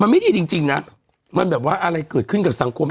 มันไม่ดีจริงนะมันแบบว่าอะไรเกิดขึ้นกับสังคม